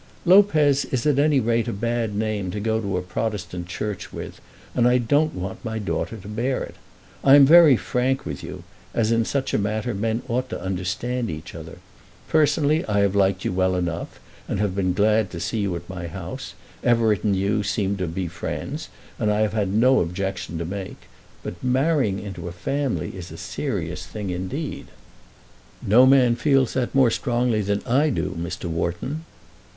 "Lopez is at any rate a bad name to go to a Protestant church with, and I don't want my daughter to bear it. I am very frank with you, as in such a matter men ought to understand each other. Personally I have liked you well enough and have been glad to see you at my house. Everett and you have seemed to be friends, and I have had no objection to make. But marrying into a family is a very serious thing indeed." "No man feels that more strongly than I do, Mr. Wharton."